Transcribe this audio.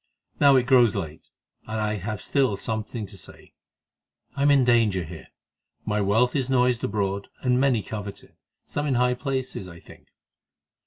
Now it grows late, and I have still something to say. I am in danger here. My wealth is noised abroad, and many covet it, some in high places, I think.